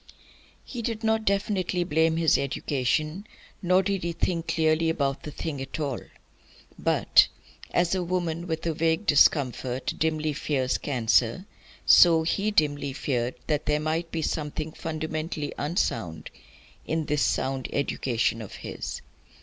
He did not definitely blame his education; he did not think clearly about the thing at all. But, as a woman with a vague discomfort dimly fears cancer, so he dimly feared that there might be something fundamentally unsound in this sound education of his.